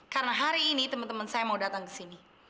karena hari ini teman teman saya mau datang ke sini